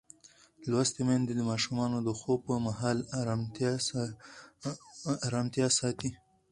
لوستې میندې د ماشومانو د خوب پر مهال ارامتیا ساتي.